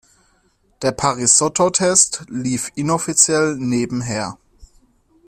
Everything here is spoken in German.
Der Parisotto-Test lief inoffiziell nebenher.